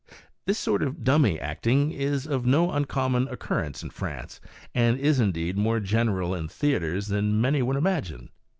This sort of dummy acting is of no uncommon occurrence in France, and is, indeed, more general in theatres than many would imagine.